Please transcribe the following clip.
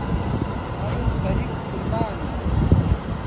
هەموو خەریک فرمانن